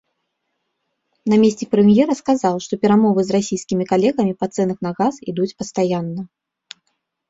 Намеснік прэм'ера сказаў, што перамовы з расійскімі калегамі па цэнах на газ ідуць пастаянна.